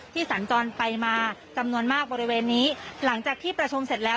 สัญจรไปมาจำนวนมากบริเวณนี้หลังจากที่ประชุมเสร็จแล้ว